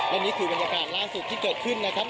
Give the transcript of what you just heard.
และนี่คือบรรยากาศล่าสุดที่เกิดขึ้นนะครับ